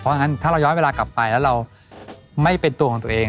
เพราะฉะนั้นถ้าเราย้อนเวลากลับไปแล้วเราไม่เป็นตัวของตัวเอง